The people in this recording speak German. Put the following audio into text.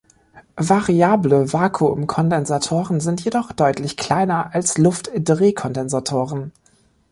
Variable Vakuumkondensatoren sind jedoch deutlich kleiner als Luft-Drehkondensatoren.